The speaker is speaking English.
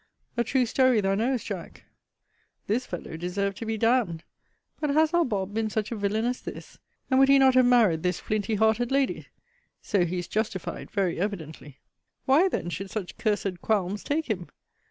A true story, thou knowest, Jack. This fellow deserved to be d d. But has our Bob. been such a villain as this? And would he not have married this flinty hearted lady? So he is justified very evidently. Why, then, should such cursed qualms take him?